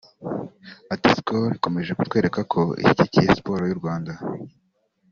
Ati ”Skol ikomeje kutwereka ko ishyigikiye siporo y’ u Rwanda